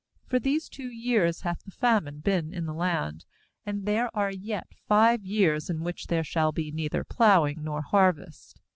6For these two years hath the famine been in the land; and there are yet five years, in which there shall be neither plowing nor harvest.